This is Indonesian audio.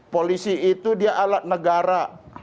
polisi itu dia alat negara